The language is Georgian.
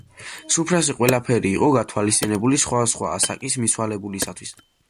სუფრაზე ყველაფერი იყო გათვალისწინებული სხვადასხვა ასაკის მიცვალებულისათვის.